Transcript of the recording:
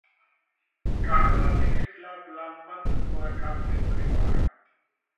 राहुल गांधी के खिलाफ लामबंद हुआ ठाकरे परिवार